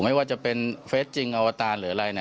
ไม่ว่าจะเป็นเฟสจริงอวตารหรืออะไร